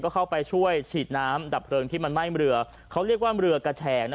เข้าไปช่วยฉีดน้ำดับเพลิงที่มันไหม้เรือเขาเรียกว่าเรือกระแชง